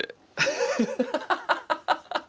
ハハハハ！